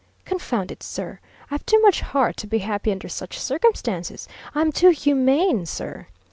Confound it, sir, I've too much heart to be happy under such circumstances! I'm too humane, sir!